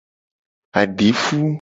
Adifu.